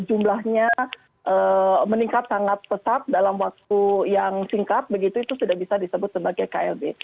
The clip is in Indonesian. jumlahnya meningkat sangat pesat dalam waktu yang singkat begitu itu sudah bisa disebut sebagai klb